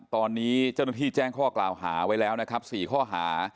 ตอนนี้เจ้าหน้าที่แจ้งข้อกล่าวหาไว้แล้วนะครับ๔ข้อหา